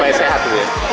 baya sehat juga